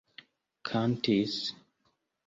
kantis